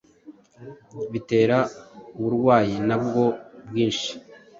bitera uburwayi na bwo bwinshi